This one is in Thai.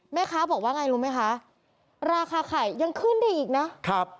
แม่ค้าบอกว่าไงรู้ไหมคะราคาไข่ยังขึ้นได้อีกนะครับ